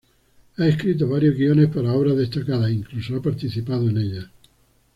Ha escrito varios guiones para obras destacadas e incluso ha participado en ellas.